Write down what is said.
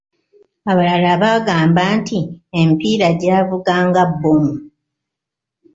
Abalala baagamba nti emipiira gyavuga nga bbomu.